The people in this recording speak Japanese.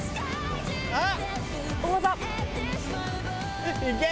「あっ！」